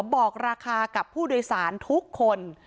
บอกราคากับผู้โดยสารทุกคน